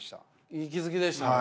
いい気付きでしたね。